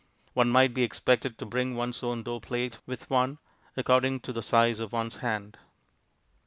One might be expected to bring one's own door plate with one, according to the size of one's hand.